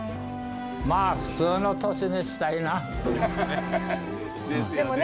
まあ普通の年にしたいな。ですよね。